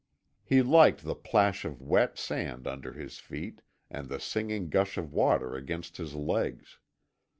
He liked the plash of wet sand under his feet and the singing gush of water against his legs.